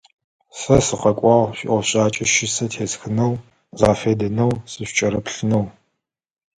Сэ сыкъэкӏуагъ шъуиӏофшӏакӏэ щысэ тесхынэу, згъэфедэнэу, сышъукӏырыплъынэу.